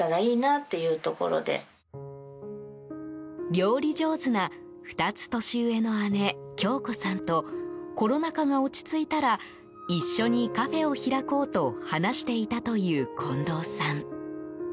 料理上手な２つ年上の姉・恭子さんとコロナ禍が落ち着いたら一緒にカフェを開こうと話していたという近藤さん。